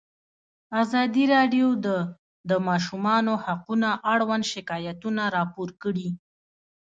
ازادي راډیو د د ماشومانو حقونه اړوند شکایتونه راپور کړي.